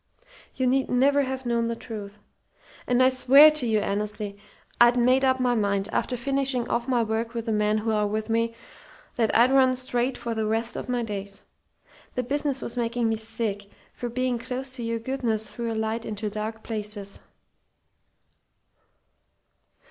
You need never have known the truth. And I swear to you, Annesley, I'd made up my mind, after finishing off my work with the men who are with me, that I'd run straight for the rest of my days. The business was making me sick, for being close to your goodness threw a light into dark places.